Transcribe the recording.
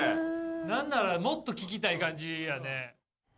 何ならもっと聴きたい感じやね。